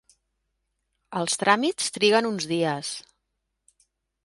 Els tràmits triguen uns dies.